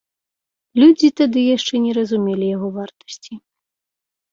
Людзі тады яшчэ не разумелі яго вартасці.